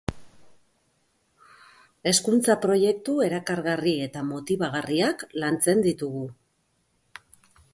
Hezkuntza-proiektu erakargarri eta motibagarriak lantzen ditugu.